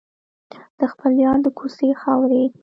د خپل یار د کوڅې خاورې.